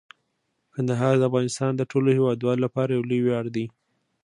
کندهار د افغانستان د ټولو هیوادوالو لپاره یو لوی ویاړ دی.